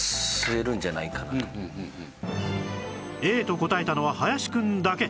Ａ と答えたのは林くんだけ